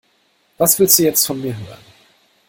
Was willst du jetzt von mir hören?